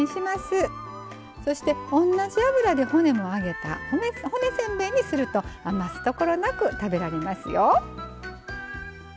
そして同じ油で骨も揚げた骨せんべいにすると余すところなく食べられますよ。